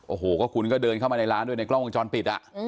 โอ้โหก็คุณก็เดินเข้ามาในร้านด้วยในกล้องวงจรปิด